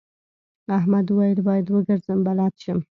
احمد وويل: باید وګرځم بلد شم.